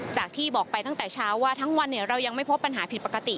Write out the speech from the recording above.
ที่บอกไปตั้งแต่เช้าว่าทั้งวันเรายังไม่พบปัญหาผิดปกติ